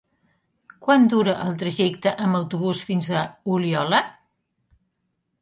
Quant dura el trajecte en autobús fins a Oliola?